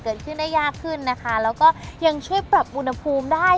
เกิดขึ้นได้ยากขึ้นนะคะแล้วก็ยังช่วยปรับอุณหภูมิได้